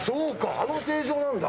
あの成城なんだ。